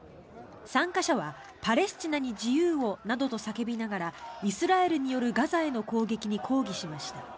参加者はパレスチナに自由をなどと叫びながらイスラエルによるガザへの攻撃に抗議しました。